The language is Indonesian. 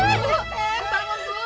ibu bangun bu